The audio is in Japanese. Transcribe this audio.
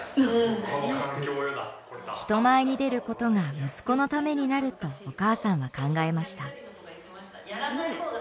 人前に出ることが息子のためになるとお母さんは考えました。